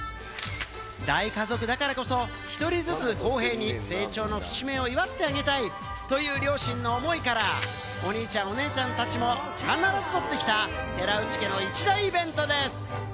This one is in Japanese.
大家族だからこそ、１人ずつ公平に成長の節目を祝ってあげたいという両親の思いから、お兄ちゃん、お姉ちゃんたちも必ず撮ってきた、寺内家の一大イベントです。